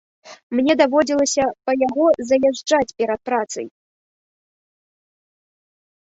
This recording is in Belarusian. Мне даводзілася па яго заязджаць перад працай.